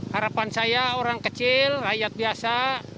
harapan saya orang kecil rakyat biasa